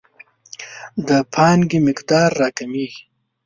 د پانګې مقدار راکمیږي.